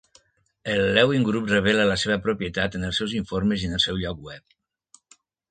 El Lewin Group revela la seva propietat en els seus informes i en el seu lloc web.